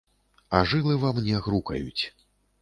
А жылы ва мне грукаюць.